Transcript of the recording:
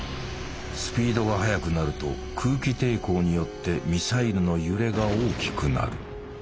スピードが速くなると空気抵抗によってミサイルの揺れが大きくなる。